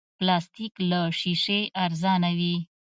پلاستيک له شیشې ارزانه وي.